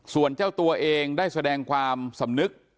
ส่วนเจ้าตัวเองได้แสดงความสำนึก